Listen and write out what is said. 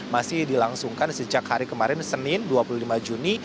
masih dilangsungkan sejak hari kemarin senin dua puluh lima juni